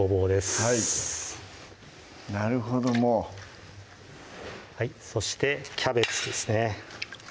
はいなるほどもうそしてキャベツですね